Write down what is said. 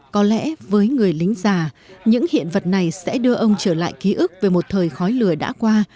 có lẽ với người lính già những hiện vật này sẽ đưa ông trở lại ký ức về một thời khói lừa đã qua